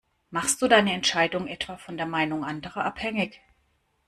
Machst du deine Entscheidung etwa von der Meinung anderer abhängig?